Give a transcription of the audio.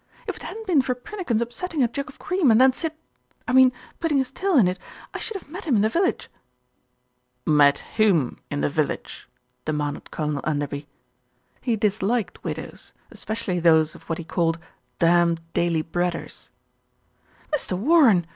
"If it hadn't been for Prinnikins upsetting a jug of cream and then sitt I mean putting his tail in it, I should have met him in the village." "Met whom in the village?" demanded Colonel Enderby. He disliked widows, especially those of what he called "damned daily breaders." "Mr. Warren!